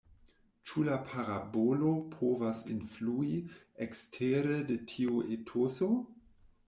Ĉu la parabolo povas influi ekstere de tiu etoso?